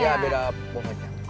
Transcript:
iya beda pohonnya